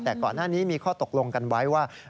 แต่ก่อนหน้านี้มีข้อตกลงกันไว้ว่า